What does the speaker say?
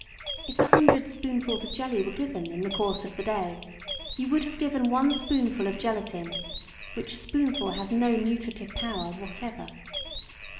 If 100 spoonfuls of jelly were given in the course of the day, you would have given one spoonful of gelatine, which spoonful has no nutritive power whatever.